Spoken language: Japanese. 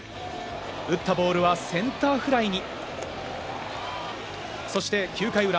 打ったボールはセンターフライに。